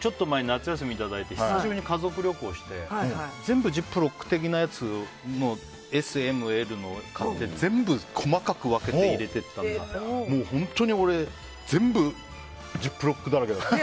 ちょっと前に夏休みをいただいて久しぶりに家族旅行をして全部ジップロック的なやつのＳＭＬ買って全部、細かく分けて入れてったら本当に俺全部ジップロックだらけだった。